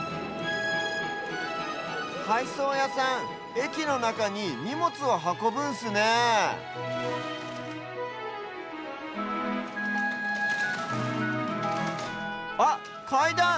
はいそうやさんえきのなかににもつをはこぶんすねえあっかいだん！